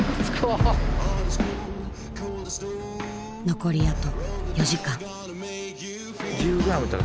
残りあと４時間。